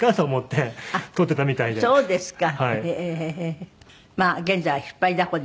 そうですか。